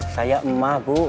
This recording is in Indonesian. saya emah bu